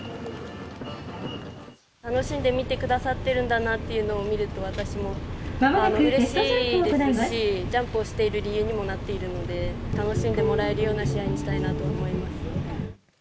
楽しんで見てくださってるんだなというのを見ると、私もうれしいですし、ジャンプをしている理由にもなっているので、楽しんでもらえるような試合にしたいなと思います。